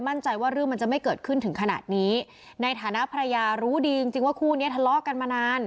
มั่นใจว่าเรื่องมันจะไม่เกิดขึ้นถึงขนาดนี้ในฐานะภรรยารู้ดีจริงจริงว่าคู่นี้ทะเลาะกันมานาน